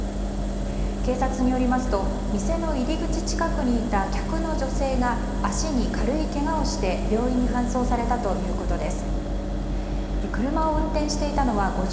警察によりますと店の入り口近くにいた客の女性が、足に軽いけがをして病院に搬送されたということです。